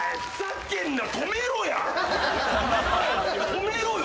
止めろよ。